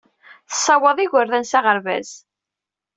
Tessawaḍ igerdan s aɣerbaz.